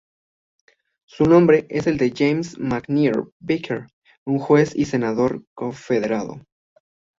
Su nombre es el de James McNair Baker, un juez y senador Confederado.